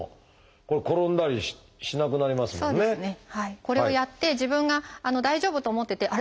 これをやって自分が大丈夫と思っててあれ？